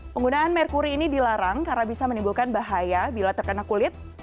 penggunaan merkuri ini dilarang karena bisa menimbulkan bahaya bila terkena kulit